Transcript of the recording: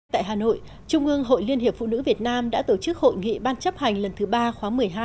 tại hà nội trung ương hội liên hiệp phụ nữ việt nam đã tổ chức hội nghị ban chấp hành lần thứ ba khóa một mươi hai